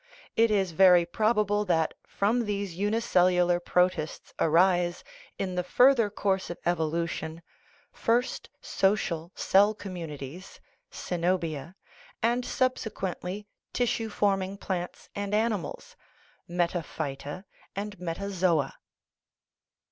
It is very probable that from these unicellular protists arise, in the further course of evolution, first social cell communities (ccenobia), and subsequently tissue forming plants and animals (metaphyta and metazoa).